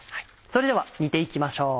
それでは煮て行きましょう。